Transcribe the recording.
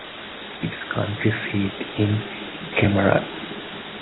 Its county seat is Kemmerer.